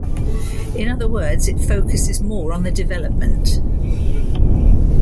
In other words, it focuses more on the development.